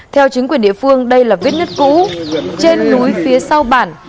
theo chính quyền địa phương đây là vết nứt cũ trên núi phía sau bản